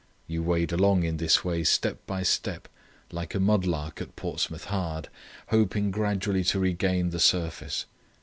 You wade along in this way step by step, like a mudlark at Portsmouth Hard, hoping gradually to regain the surface.